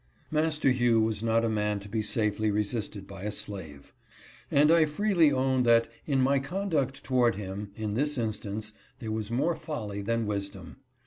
Master Hugh was not a man to be safely resisted by a slave ; and I freely own that in my conduct toward him, in this instance, there was more folly than wisdom.